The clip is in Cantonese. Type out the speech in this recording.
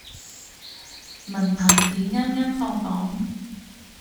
文憑試啱啱放榜